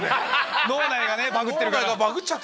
脳内がねバグってるから。